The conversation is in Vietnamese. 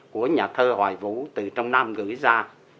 của nhà thơ hoài vũ từ trong nam gửi ra